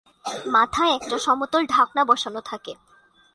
মাথায় একটা সমতল ঢাকনা বসানো থাকে।